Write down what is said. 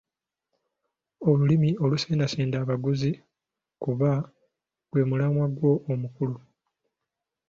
Olulimi olusendasenda abaguzi kuba gwe mulamwa gwo omukulu.